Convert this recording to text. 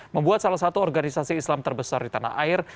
membuat salah satu organisasi islam terbesar di tanah air